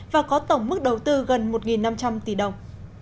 và có tổng mức đầu tư gần một năm trăm linh tỷ đồng